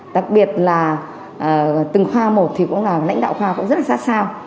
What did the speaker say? đặc biệt là từng khoa một thì cũng là lãnh đạo khoa cũng rất là xa xao